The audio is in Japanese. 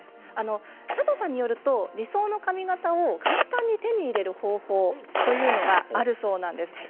佐藤さんによると理想の髪形を簡単に手に入れる方法があるんだそうです。